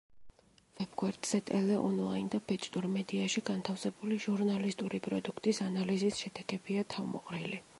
ვებგვერდზე ტელე, ონლაინ და ბეჭდურ მედიაში განთავსებული ჟურნალისტური პროდუქტის ანალიზის შედეგებია თავმოყრილი.